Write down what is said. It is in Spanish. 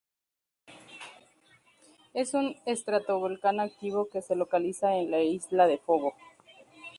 Es un estratovolcán activo que se localiza en la isla de Fogo.